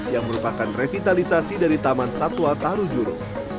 yang merupakan revitalisasi dari taman satwa tarujuru